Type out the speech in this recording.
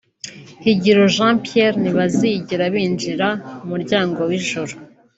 Higiro Jean Pierre ntibazigera binjira mu muryango w’ijuru